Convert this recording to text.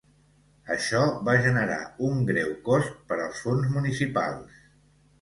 Això va generar un greu cost per als fons municipals.